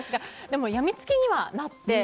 でも、やみつきにはなって。